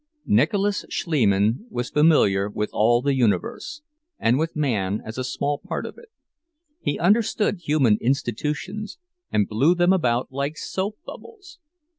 Nicholas Schliemann was familiar with all the universe, and with man as a small part of it. He understood human institutions, and blew them about like soap bubbles.